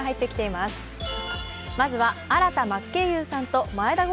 まずは、新田真剣佑さんと眞栄田郷